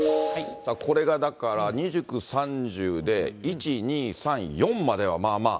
さあ、これがだから、２９、３０で、１、２、３、４まではまあまあ。